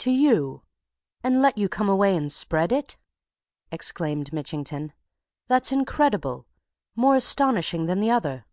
"To you? And let you come away and spread it?" exclaimed Mitchington. "That's incredible! more astonishing than the other!"